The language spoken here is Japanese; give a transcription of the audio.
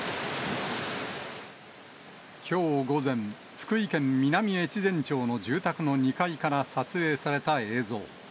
きょう午前、福井県南越前町の住宅の２階から撮影された映像。